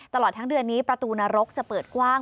ตลอดทั้งเดือนนี้ประตูนรกจะเปิดกว้าง